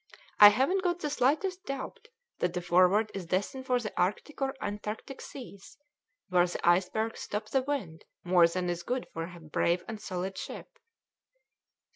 I haven't got the slightest doubt that the Forward is destined for the Arctic or Antarctic seas, where the icebergs stop the wind more than is good for a brave and solid ship."